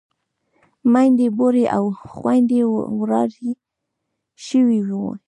ميندې بورې او خويندې ورارې شوې وې.